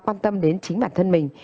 quan tâm đến chính bản thân mình